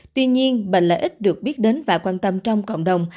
tuy nhiên bệnh lợi ích được biết đến và quan tâm trong cộng đồng